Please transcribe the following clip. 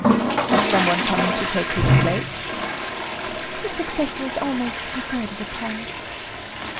"Is some one coming to take his place?" "His successor is almost decided upon."